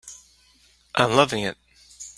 I'm loving it.